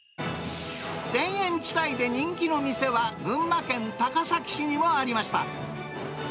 田園地帯で人気の店は、群馬県高崎市にもありました。